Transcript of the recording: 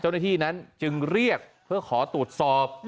เจ้าหน้าที่นั้นจึงเรียกเพื่อขอตรวจสอบ